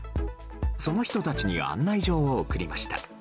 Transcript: その人たちに案内状を送りました。